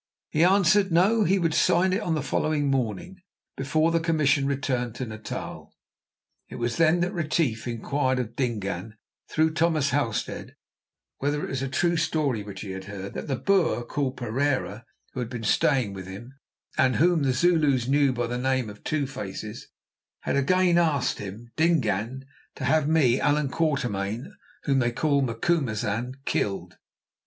He answered, "No; he would sign it on the following morning, before the commission returned to Natal." It was then that Retief inquired of Dingaan, through Thomas Halstead, whether it was a true story which he had heard, that the Boer called Pereira, who had been staying with him, and whom the Zulus knew by the name of "Two faces," had again asked him, Dingaan, to have me, Allan Quatermain, whom they called Macumazahn, killed.